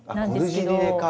コルジリネか。